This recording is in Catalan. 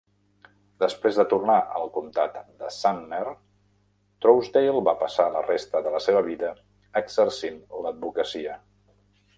Després de tornar al comtat de Sumner, Trousdale va passar la resta de la seva vida exercint l'advocacia.